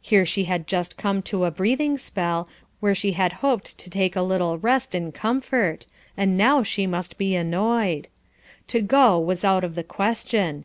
Here she had just come to a breathing spell, where she had hoped to take a little rest and comfort, and now she must be annoyed. To go, was out of the question.